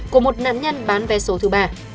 của một nạn nhân bán vé số thứ ba